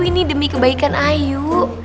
ini demi kebaikan ayu